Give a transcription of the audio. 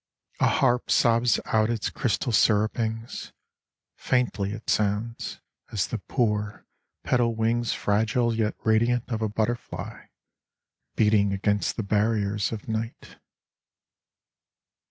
A harp sobs out its crystal syruppings ; Faintly it sounds, as the poor petal wings. Fragile yet radiant, of a butterfly Beating against the barriers of night.